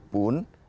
dan ktp zaman dulu